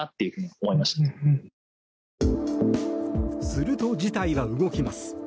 すると、事態は動きます。